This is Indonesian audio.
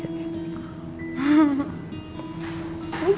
jadi iya banget